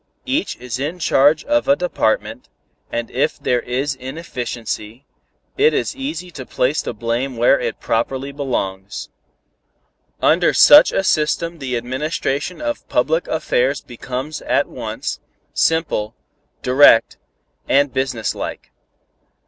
Each is in charge of a department, and if there is inefficiency, it is easy to place the blame where it properly belongs. "Under such a system the administration of public affairs becomes at once, simple, direct and business like.